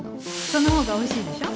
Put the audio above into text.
その方がおいしいでしょ